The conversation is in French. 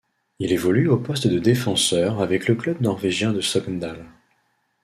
Il évolue au poste de défenseur avec le club norvégien de Sogndal.